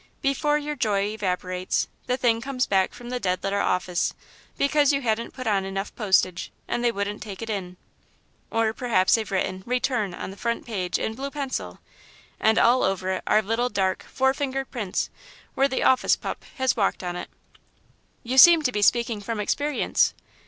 Before your joy evaporates, the thing comes back from the Dead Letter Office, because you hadn't put on enough postage, and they wouldn't take it in. Or, perhaps they've written 'Return' on the front page in blue pencil, and all over it are little, dark, four fingered prints, where the office pup has walked on it." "You seem to be speaking from experience."